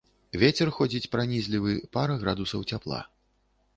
Вецер ходзіць пранізлівы, пара градусаў цяпла.